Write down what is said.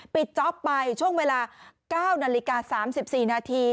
จ๊อปไปช่วงเวลา๙นาฬิกา๓๔นาที